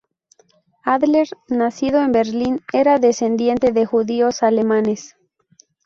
Adler, nacido en Berlín, era descendiente de judíos alemanes.